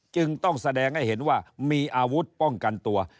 จึงต้องแสดงให้เห็นว่ามีอาวุธป้องกันตัว